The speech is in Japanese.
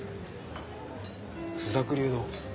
朱雀流の。